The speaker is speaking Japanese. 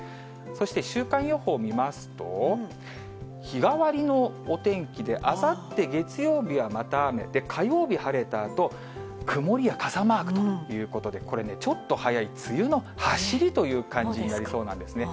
そして週間予報見ますと、日替わりのお天気で、あさって月曜日はまた雨、火曜日晴れたあと、曇りや傘マークということで、これね、ちょっと早い梅雨のはしりという感じになりそうなんですね。